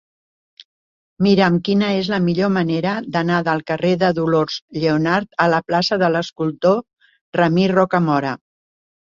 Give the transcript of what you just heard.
Mira'm quina és la millor manera d'anar del carrer de Dolors Lleonart a la plaça de l'Escultor Ramir Rocamora.